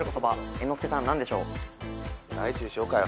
猿之助さん何でしょう？